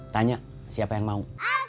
tanya siapa yang mau